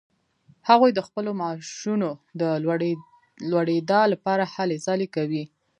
هغوی د خپلو معاشونو د لوړیدا لپاره هلې ځلې کوي.